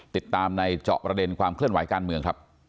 ติดตามในเจาะประเด็นความเคลื่อนไหวการเมืองครับ